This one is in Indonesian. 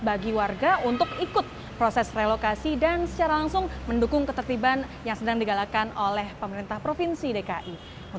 bagi warga untuk ikut proses relokasi dan secara langsung mendukung ketertiban yang sedang digalakan oleh pemerintah provinsi dki